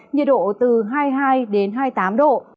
nhiệt độ từ hai mươi hai đến hai mươi tám độ